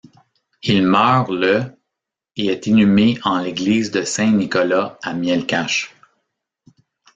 Il meurt le et est inhumé en l'église de Saint-Nicolas à Mielcach.